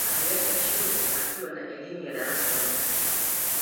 Aliacha shule akiwa na elimu ya darasa la nne